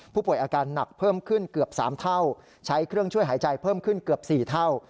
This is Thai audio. ผู้ป่วยอาการหนักเพิ่มขึ้นเกือบ๓เท่าใช้เครื่องช่วยหายใจเพิ่มขึ้นเกือบ๔เท่า